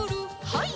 はい。